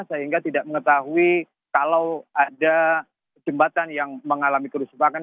sehingga tidak mengetahui kalau ada jembatan yang mengalami kerusakan